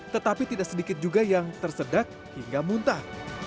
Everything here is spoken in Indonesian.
tetapi tidak sedikit juga yang tersedak hingga muntah